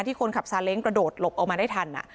คนขับซาเล้งกระโดดหลบออกมาได้ทัน